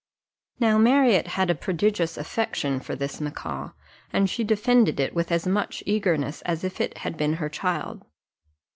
Now Marriott had a prodigious affection for this macaw, and she defended it with as much eagerness as if it had been her child.